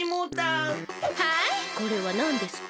はいこれはなんですか？